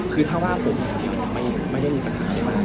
คือถ้าว่าผมอย่างเดียวไม่ได้มีปัญหาได้มาก